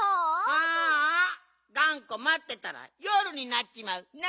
ああがんこまってたらよるになっちまうな。